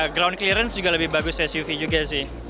ground clearance juga lebih bagus suv juga sih